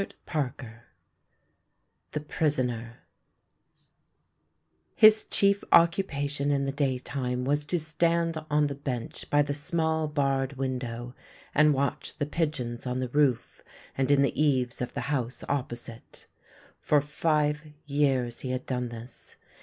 THE PRISONER THE PRISONER HIS chief occupation in the daytime was to stand on the bencli by the small barred window and watch the pigeons on the roof and in the eaves of the house opposite. For five years he had done this.